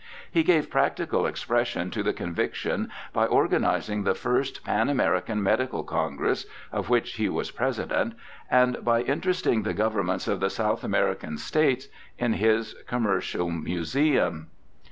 He gave practical expression to the conviction by organizing the first Pan American Medical Congress (of which he was President), and by interesting the governments of the South American States in his Commercial Museum.